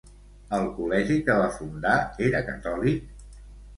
El col·legi que va fundar era catòlic?